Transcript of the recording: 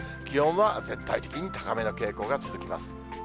気温は全体的に高めの傾向が続きます。